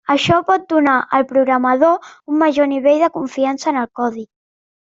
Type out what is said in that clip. Això pot donar al programador un major nivell de confiança en el codi.